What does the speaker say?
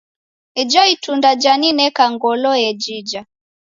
Ijo itunda janineka ngolo yejija.